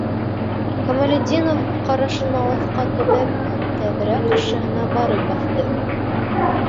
- Камалетдинов, ҡарашын алыҫҡа төбәп, тәҙрә ҡаршыһына барып баҫты.